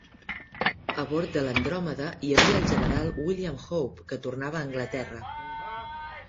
A bord de l'"Andromeda" hi havia el General William Howe, que tornava a Anglaterra.